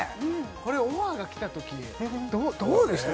これオファーがきた時どうでした？